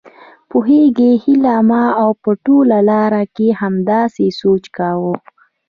پوهېږې هيلې ما په ټوله لار کې همداسې سوچ کاوه.